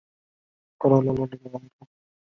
太原街站为地下岛式站台。